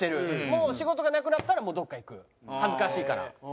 もう仕事がなくなったらどっか行く。恥ずかしいから。